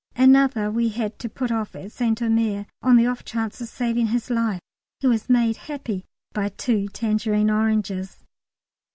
Another we had to put off at St Omer, on the off chance of saving his life. He was made happy by two tangerine oranges.